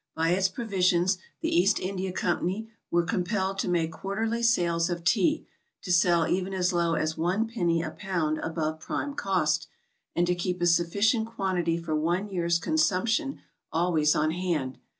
By its provisions the East India Company were compelled to make quarterly sales of Tea, to sell even as low as one penny a pound above prime cost, and to keep a sufficient quantity for one year's consumption always on hand.